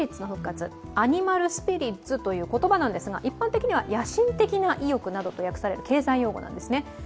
アニマルスピリッツという言葉なんですが、一般的には野心的な意欲などと訳される経済用語なんですね。